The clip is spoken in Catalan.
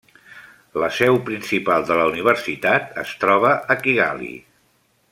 La seu principal de la universitat es troba a Kigali.